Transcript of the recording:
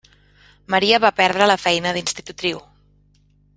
Maria va perdre la feina d'institutriu.